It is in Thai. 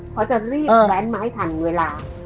เพราะจะรีบแลนด์มาให้ทันเวลา